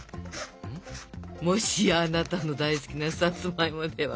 もしやあなたの大好きなさつまいもでは。